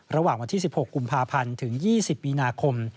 ระหว่างวันที่๑๖กุมภาพันธ์ถึง๒๐มีนาคม